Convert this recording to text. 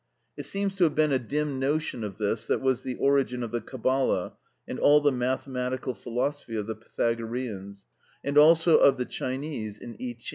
It seems to have been a dim notion of this that was the origin of the Cabala and all the mathematical philosophy of the Pythagoreans, and also of the Chinese in Y king.